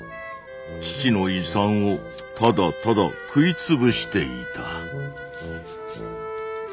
父の遺産をただただ食い潰していた。